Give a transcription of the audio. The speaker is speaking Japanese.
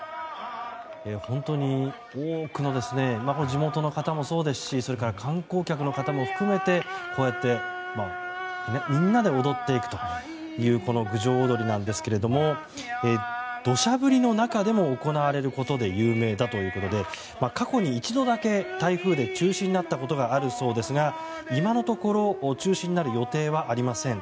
本当に多くのこれは地元の方もそうですしそれから観光客の方も含めてこうやってみんなで踊っていくという郡上おどりなんですけれども土砂降りの中でも行われることで有名だということで過去に一度だけ台風で中止になったことがあるそうですが今のところ中止になる予定はありません。